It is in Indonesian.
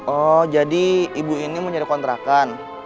oh jadi ibu ini mau cari kontrakan